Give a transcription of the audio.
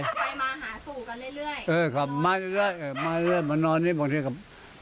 ไปมาหาสู่กันเรื่อยเออค่ะมาอยู่เรื่อยมานอนนี้บางทีกับ